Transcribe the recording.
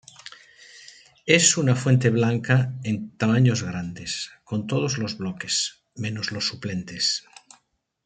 Es una fuente blanca en tamaños grandes, con todos los bloques, menos los suplentes.